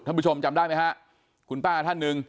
ท่านผู้ชมจำได้ไหมครับคุณป้าท่านหนึ่ง